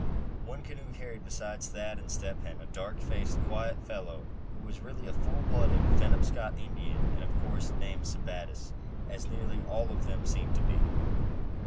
One canoe carried, besides Thad and Step Hen, a dark faced, quiet fellow, who was really a full blood Penobscot Indian, and of course named Sebattis, as nearly all of them seem to be.